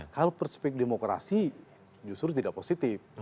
kalau perspek demokrasi justru tidak positif